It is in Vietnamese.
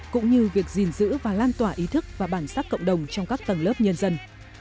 cũng như việc gìn giữ và lan tỏa ý thức và bản sắc cộng đồng trong các tầng lớp nhân dân